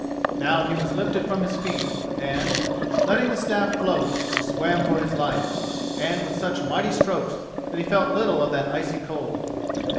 Now he was lifted from his feet and, letting the staff float, he swam for his life, and with such mighty strokes that he felt little of that icy cold.